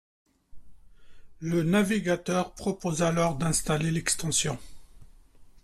Le navigateur propose alors d'installer l'extension.